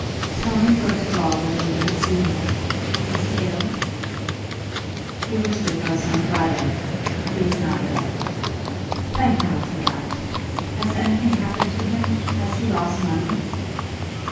"Tell me first of all whether you have seen him. Is he ill?" "He was with us on Friday. He is not ill." "Thank God for that. Has anything happened to him? Has he lost money?"